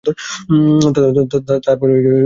তারপর চারা রোপণ করতে হবে।